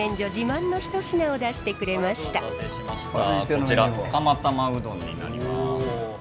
こちら釜玉うどんになります。